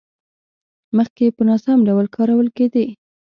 مخکې په ناسم ډول کارول کېدې.